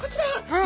はい。